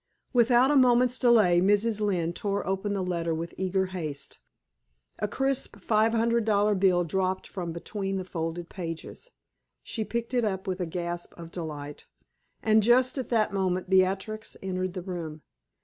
Without a moment's delay, Mrs. Lynne tore open the letter with eager haste. A crisp five hundred dollar bill dropped from between the folded pages. She picked it up with a gasp of delight, and just at that moment Beatrix entered the room.